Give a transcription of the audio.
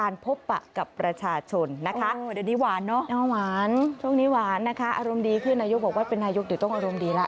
อารมณ์ดีขึ้นนายยกรบอกว่าเป็นนายยกเดี๋ยวต้องอารมณ์ดีละ